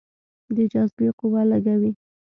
د جاذبې قوه لږه وي.